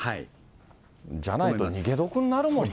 じゃないと逃げ得になるもんね。